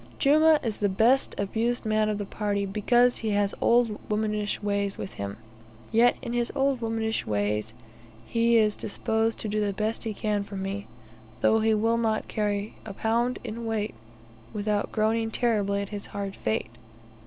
Jumah is the best abused man of the party, because he has old womanish ways with him, yet in his old womanish ways he is disposed to do the best he can for me, though he will not carry a pound in weight without groaning terribly at his hard fate.